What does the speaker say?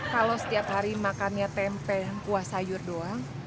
kalau setiap hari makannya tempe kuah sayur doang